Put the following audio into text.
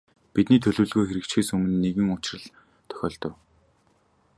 Бидний төлөвлөгөө хэрэгжихээс өмнө нэгэн учрал тохиолдов.